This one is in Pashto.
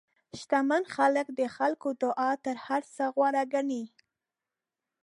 شتمن خلک د خلکو دعا تر هر څه غوره ګڼي.